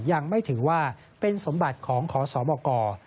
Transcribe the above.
ยังไม่ถือว่าเป็นสมบัติของขอสมก